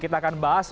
kita akan bahas